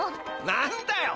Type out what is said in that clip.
何だよ！